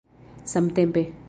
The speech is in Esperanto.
samtempe